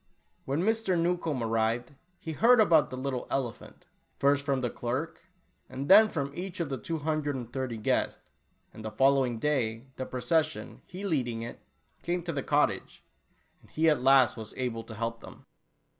When Mr. Newcombe arrived, he heard about the little elephant, first from the clerk, and then Tula Oolah. 51 from each of the two hundred and thirty guests, and the following day, the procession, he leading it, came to the cottage, and he at last was able to help them.